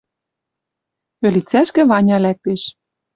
Ӧлицӓшкӹ Ваня лӓктеш.